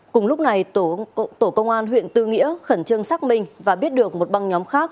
cùng lúc này tổ công an huyện tư nghĩa khẩn trương xác minh và biết được một băng nhóm khác